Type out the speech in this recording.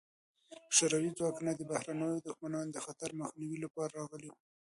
شوروي ځواکونه د بهرنیو دښمنانو د خطر د مخنیوي لپاره راغلي وو.